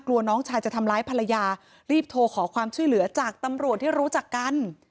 น้องชายจะทำร้ายภรรยารีบโทรขอความช่วยเหลือจากตำรวจที่รู้จักกัน